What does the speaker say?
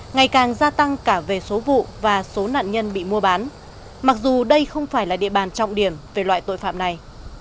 ngày càng gia tăng cả về số vụ và số nạn nhân bị mua bán mặc dù đây không phải là địa bàn trọng điểm về loại tội phạm này